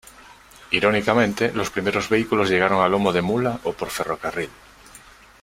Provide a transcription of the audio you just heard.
Irónicamente los primeros vehículos llegaron a lomo de mula o por ferrocarril.